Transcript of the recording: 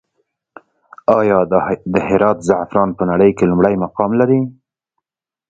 آیا د هرات زعفران په نړۍ کې لومړی مقام لري؟